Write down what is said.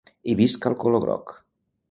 I visca el color groc!